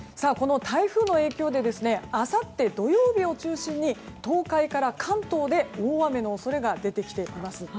台風の影響であさって土曜日を中心に東海から関東で大雨の恐れが出てきています。